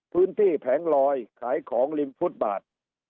พื้นที่แผงรอยขายของลิมพุทธบาท